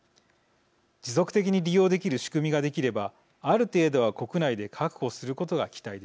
持続的に利用できる仕組みができればある程度は国内で確保することが期待できます。